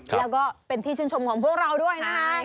แล้วก็เป็นที่ชื่นชมของพวกเราด้วยนะคะ